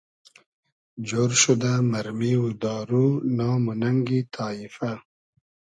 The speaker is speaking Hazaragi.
جۉر شودۂ مئرمی و دارو نام و نئنگی تایفۂ